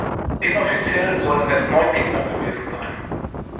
Inoffiziell sollen es neun Kinder gewesen sein.